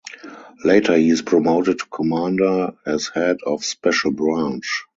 Later he is promoted to commander as Head of Special Branch.